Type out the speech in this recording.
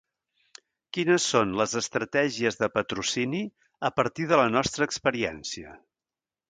Quines són les estratègies de patrocini a partir de la nostra experiència.